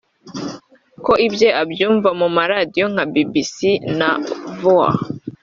ko ibye abyumva mu ma radio nka bbc na voa